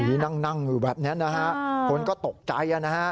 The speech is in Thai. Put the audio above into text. นี่นั่งอยู่แบบนี้นะฮะคนก็ตกใจนะฮะ